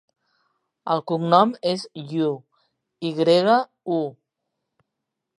El cognom és Yu: i grega, u.